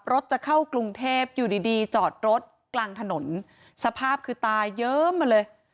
รถจะเข้ากรุงเทพรสอบสมุดท้ายเยอะมาเลย